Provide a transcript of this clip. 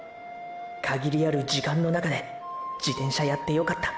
「限りある時間」の中で「自転車やってよかった」